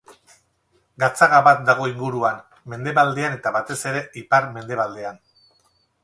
Gatzaga bat dago inguruan, mendebaldean eta batez ere ipar-mendebaldean.